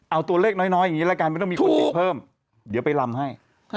เอาตัวเลขน้อยอย่างนี้ละกันไม่ต้องมีคนติดเพิ่มเดี๋ยวไปลำให้